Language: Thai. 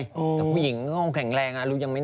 แต่ผู้หญิงเขาแข็งแรงอ่ะรู้ยังไหม